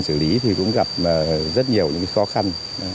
xử lý thì cũng gặp rất nhiều những khó khăn